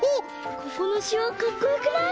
ここのしわかっこよくない？